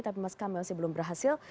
tapi mas kami masih belum berhasil